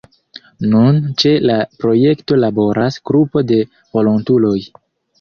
Nun ĉe la projekto laboras grupo de volontuloj.